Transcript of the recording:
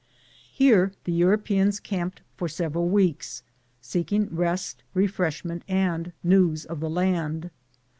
Here the Europeans camped for several weeks, seeking rest, refreshment, and news of the land.